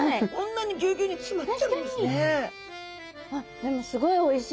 でもすごいおいしいです。